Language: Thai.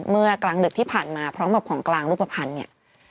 กลางดึกที่ผ่านมาพร้อมกับของกลางรูปภัณฑ์เนี่ย